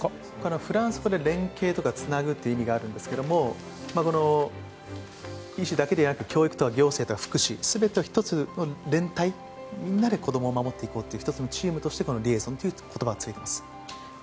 フランス語で連携とかつなぐという意味があるんですが医師だけでなく教育とか行政とか福祉の全てが連帯みんなで子供を守っていこうという意味で「リエゾン」という言葉がついています。